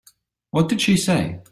What did she say?